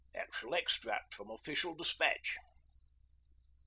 _' ACTUAL EXTRACT FROM OFFICIAL DESPATCH.